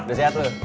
udah sehat lo